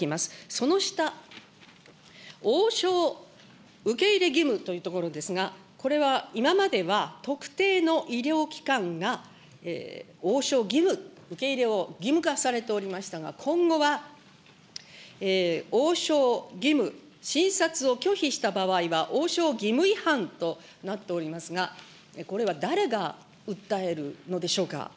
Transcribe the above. その下、応召受け入れ義務というところですが、これは今までは特定の医療機関が応召義務、受け入れを義務化されておりましたが、今後は応召義務、診察を拒否した場合は応召義務違反となっておりますが、これは誰が訴えるのでしょうか。